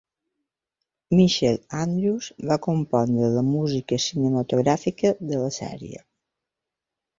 Michael Andrews va compondre la música cinematogràfica de la sèrie.